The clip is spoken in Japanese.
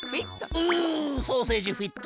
うソーセージフィット。